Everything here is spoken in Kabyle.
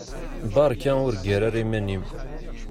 Beṛka ur ggar ara iman-im.